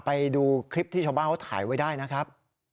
ไปดูคลิปที่ชาวบ้านเขาถ่ายไว้ได้นะครับ